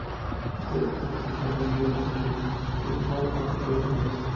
Este distrito se encuentra dentro de la ciudad de Windhoek, capital del país.